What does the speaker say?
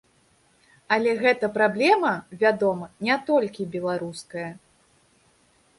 Але гэта праблема, вядома, не толькі беларуская.